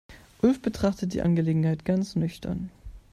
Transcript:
Ulf betrachtet die Angelegenheit ganz nüchtern.